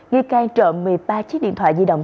nghi can trộm một mươi ba chiếc điện thoại di động